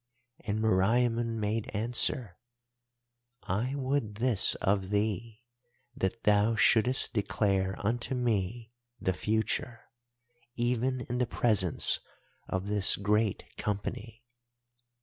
"And Meriamun made answer: 'I would this of thee, that thou shouldest declare unto me the future, even in the presence of this great company.